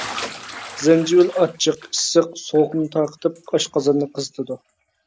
زەنجىۋىل ئاچچىق، ئىسسىق، سوغۇقنى تارقىتىپ ئاشقازاننى قىزىتىدۇ.